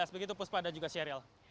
begitu puspa ada juga serius